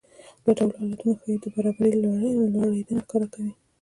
دا ډول حالتونه ښايي د برابرۍ لوړېدنه ښکاره کړي